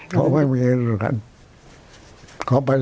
ก็ไม่มีกันค่ะ